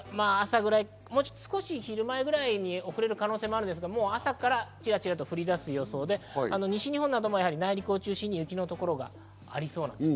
昼前ぐらいまで遅れる可能性もあるんですが、朝からチラチラと降り出す予想で、西日本なども内陸を中心に雪の所がありそうです。